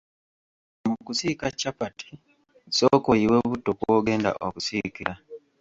Mu kusiika capati sooka oyiwe butto kw'ogenda okusiikira.